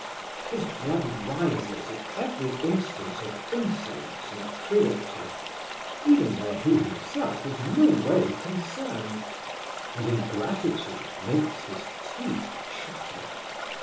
His blood rises at every instance of insolence and cruelty, even where he himself is no way concerned; and ingratitude makes his teeth chatter.